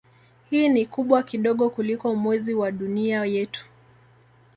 Hii ni kubwa kidogo kuliko Mwezi wa Dunia yetu.